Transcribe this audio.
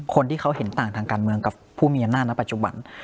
คนที่เขาเห็นต่างทางการเมืองกับผู้มีอำนาจณปัจจุบัน